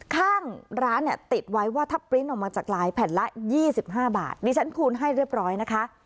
ข้างร้านเนี่ยติดไว้ว่าถ้าปริ้นต์ออกมาจากลายแผ่นละ๒๕บาทดิฉันคูณให้เรียบร้อยนะคะ